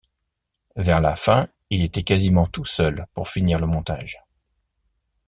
Vers la fin, il était quasiment tout seul pour finir le montage.